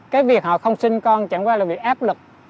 cái việc họ không sinh con chẳng qua là việc áp lực